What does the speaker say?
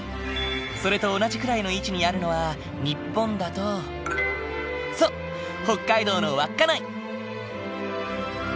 それと同じくらいの位置にあるのは日本だとそう北海道の稚内。